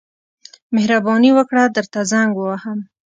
مهرباني وکړه درته زنګ ووهم.